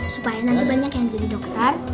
supaya nanti banyak yang jadi dokter